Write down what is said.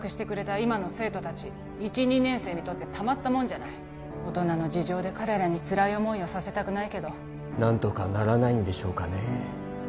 今の生徒達１２年生にとってたまったもんじゃない大人の事情で彼らにつらい思いをさせたくないけど何とかならないんでしょうかね